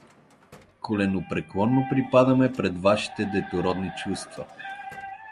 Коленопреклонно припадаме пред вашите детородни чувства.